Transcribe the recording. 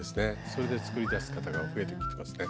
それで作りだす方が増えてきてますね。